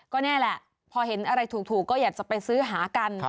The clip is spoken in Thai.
ก็นี่แหละพอเห็นอะไรถูกก็อยากจะไปซื้อหากัน